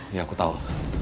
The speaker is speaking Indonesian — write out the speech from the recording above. iya aku tau